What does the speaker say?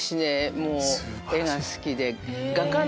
もう絵が好きで。